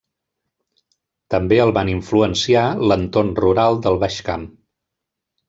També el van influenciar l'entorn rural del Baix Camp.